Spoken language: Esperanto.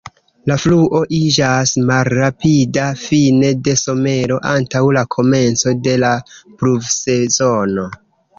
La fluo iĝas malrapida fine de somero antaŭ la komenco de la pluvsezono.